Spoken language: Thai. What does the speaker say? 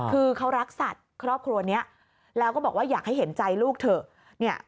คือเขารักสัตว์ครอบครัวนี้แล้วก็บอกว่าอยากให้เห็นใจลูกเถอะ